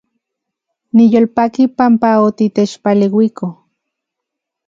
Niyolpaki panpa otitechpaleuiko